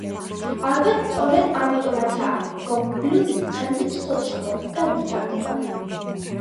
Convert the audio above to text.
ალბათ სწორედ ამიტომაცაა, რომ ბლუზი დღემდე ცოცხლობს და ვითარდება.